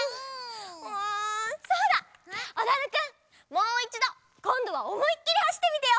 もういちどこんどはおもいっきりはしってみてよ。